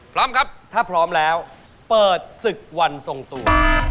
พร้อมครับถ้าพร้อมแล้วเปิดศึกวันทรงตัว